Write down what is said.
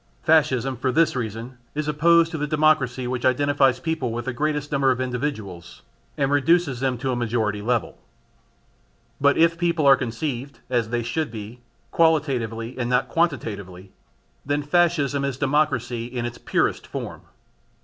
Fascism for this reason is opposed to the democracy which identifies peoples with the greatest number of individuals and reduces them to a majority level. But if people are conceived, as they should be, qualitatively and not quantitatively, then Fascism is democracy in its purest form.